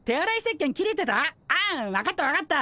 あ分かった分かった。